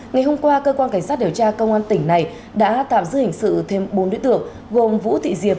ngày hôm qua cơ quan cảnh sát điều tra công an tỉnh này đã tạm giữ hình sự thêm bốn đối tượng gồm vũ thị diệp